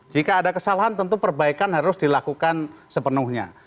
jika ada kesalahan tentu perbaikan harus dilakukan sepenuhnya